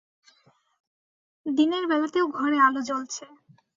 দিনের বেলাতেও ঘরে আলো জ্বলছে।